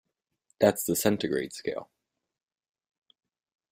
That's the centigrade scale.